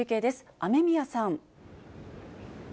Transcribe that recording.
雨宮さん。